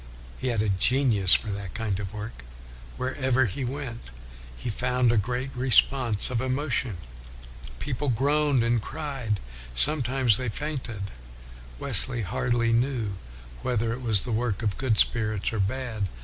He had a genius for that kind of work. Wherever he went he found a great response of emotion, people groaned and cried, sometimes they fainted; Wesley hardly knew whether it was the work of good spirits or bad.